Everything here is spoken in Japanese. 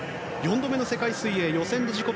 ４度目の世界水泳予選で自己